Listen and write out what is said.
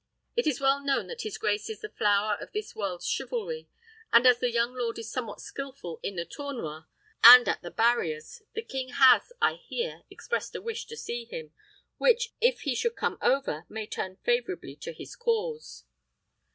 It is well known that his grace is the flower of this world's chivalry; and as the young lord is somewhat skilful in the tournois, and at the barriers, the king has, I hear, expressed a wish to see him, which, if he should come over, may turn favourably to his cause."